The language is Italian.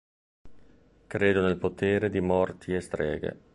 Credo nel potere di morti e streghe.